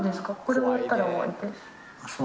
これ終わったら終わりです。